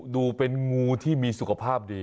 ดูเป็นงูที่มีสุขภาพดี